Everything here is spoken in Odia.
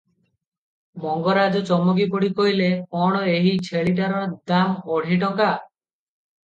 ମଙ୍ଗରାଜ ଚମକିପଡ଼ି କହିଲେ, "କଣ ଏହି ଛେଳିଟାର ଦାମ ଅଢ଼େଇ ଟଙ୍କା ।